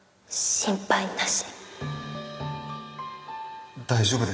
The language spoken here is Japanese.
心配なし。